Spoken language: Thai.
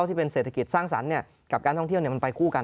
ที่เป็นเศรษฐกิจสร้างสรรค์กับการท่องเที่ยวมันไปคู่กัน